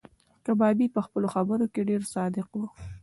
کبابي په خپلو خبرو کې ډېر صادق و.